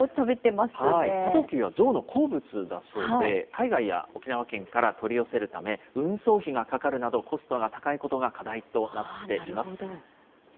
さとうきびはゾウの好物だそうで、海外や沖縄県から取り寄せるため、運送費がかかるなど、コストが高いことが課題となっています。